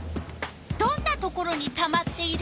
どんなところにたまっている？